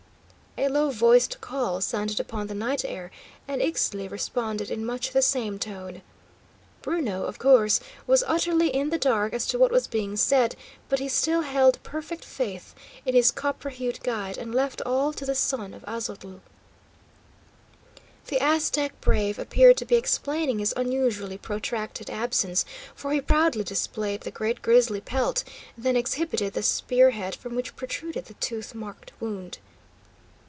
A low voiced call sounded upon the night air, and Ixtli responded in much the same tone. Bruno, of course, was utterly in the dark as to what was being said, but he still held perfect faith in his copper hued guide, and left all to the son of Aztotl. The Aztec brave appeared to be explaining his unusually protracted absence, for he proudly displayed the great grizzly pelt, then exhibited the spear head from which protruded the tooth marked wood.